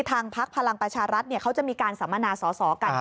พักพลังประชารัฐเขาจะมีการสัมมนาสอสอกัน